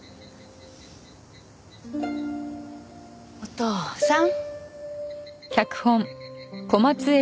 お父さん。